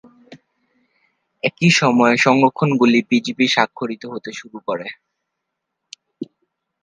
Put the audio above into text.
একই সময়ে, সংস্করণগুলি পিজিপি-স্বাক্ষরিত হতে শুরু করে।